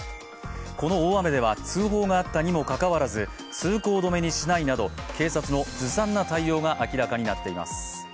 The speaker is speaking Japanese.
この大雨では通報があったにもかかわらず通行止めにしないなど警察のずさんな対応が明らかになっています。